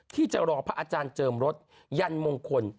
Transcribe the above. ที่จะรอพระอาจารย์เจิมรสยันมงคล